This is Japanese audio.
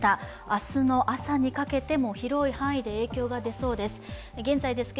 明日の朝にかけても広い範囲で影響が出そうです。